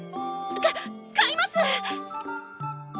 か買います！